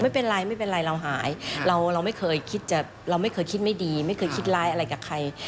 ไม่เป็นไรเราหายเราไม่เคยคิดไม่ดีไม่เคยคิดร้ายอะไรกับใคร